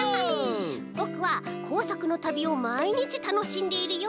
「ぼくはこうさくのたびをまいにちたのしんでいるよ！